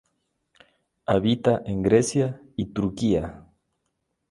Habita en Grecia y Turquía.